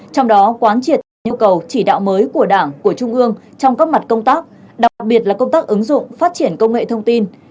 trong đó quán triệt nhu cầu chỉ đạo mới của đảng của trung ương trong các mặt công tác đặc biệt là công tác ứng dụng phát triển công nghệ thông tin